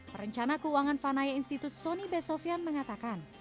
perencana keuangan fanaya institut soni besovian mengatakan